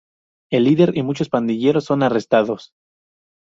El líder y muchos pandilleros son arrestados.